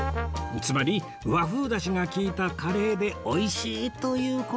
つまり和風ダシが利いたカレーでおいしいという事ですよね？